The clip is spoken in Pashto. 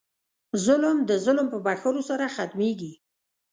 ظلم د ظلم په بښلو سره ختمېږي.